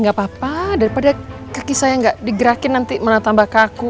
gak apa apa daripada kaki saya nggak digerakin nanti malah tambah kaku